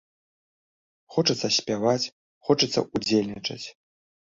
Хочацца спяваць, хочацца ўдзельнічаць.